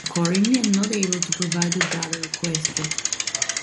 Accordingly I am not able to provide the data requested.